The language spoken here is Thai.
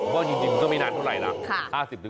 ก็จริงก็ไม่นานเท่าไหร่ล่ะ